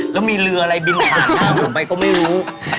แล้วมีเรืออะไรบินผ่านหน้าผมไปก็ไม่รู้